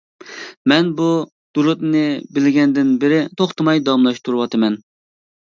مەن بۇ دۇرۇتنى بىلگەندىن بىرى توختىماي داۋاملاشتۇرۇۋاتىمەن.